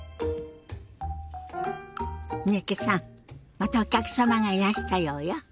またお客様がいらしたようよ。